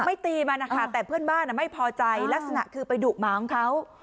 ตีมันนะคะแต่เพื่อนบ้านไม่พอใจลักษณะคือไปดุหมาของเขา